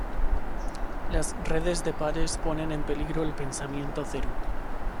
las redes de pares ponen en peligro el pensamiento cero